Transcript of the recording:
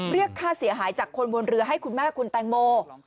เรียกค่าเสียหายจากคนบนเรือให้คุณแม่คุณแตงโม